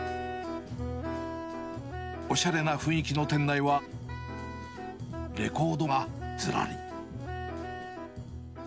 おしゃれな雰囲気の店内は、レコードがずらり。